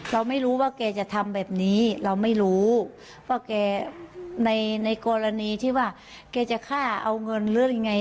เราไม่รู้ว่าแกจะทำแบบนี้เราไม่รู้ว่าแกในในกรณีที่ว่าแกจะฆ่าเอาเงินหรือยังไง